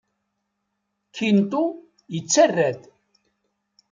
Quinto yettarra-d.